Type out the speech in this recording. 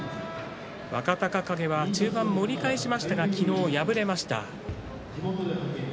若隆景は中盤盛り返しましたが昨日敗れました。